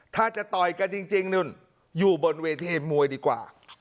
ถ้าจะต่อยกันจริงนู่นอยู่บนเวทีมวยดีกว่า